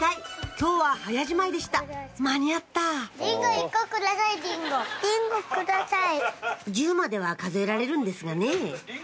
今日は早じまいでした間に合った１０までは数えられるんですがね